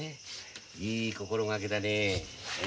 いい心がけだねえ。